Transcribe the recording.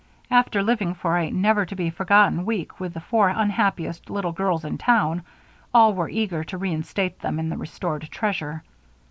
After living for a never to be forgotten week with the four unhappiest little girls in town, all were eager to reinstate them in the restored treasure.